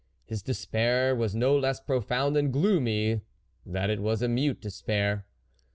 His despair was no less profound and gloomy that it was a mute despair.